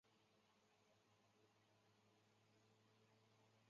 土壤水分传感器。